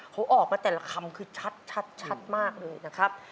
เขาออกมาแต่ละคำคือชัดมากเลยนะครับ